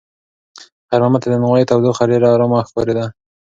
خیر محمد ته د نانوایۍ تودوخه ډېره ارامه ښکارېده.